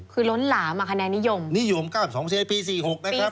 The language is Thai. คือล้นหลามอะคะแนนิยมนิยม๙๒เปอร์เซ็นต์ปี๔๖นะครับ